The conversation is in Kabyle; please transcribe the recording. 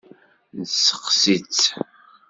Steqsi-tt.